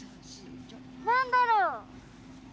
何だろう？